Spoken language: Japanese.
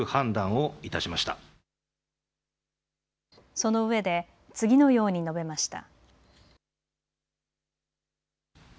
その上で次のように述べました。